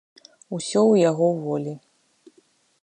Усё ў яго волі.